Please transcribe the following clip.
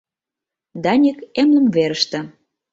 ДАНИК — ЭМЛЫМВЕРЫШТЕ